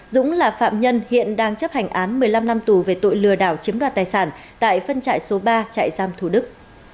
dũng là phạm nhân hiện đang chấp hành án một mươi năm năm tù về tội lừa đảo chiếm đoạt tài sản tại phân trại số ba trại giam thủ đức